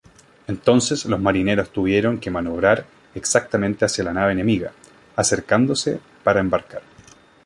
Entonces los marineros tuvieron que maniobrar exactamente hacia la nave enemiga, acercándose para embarcar.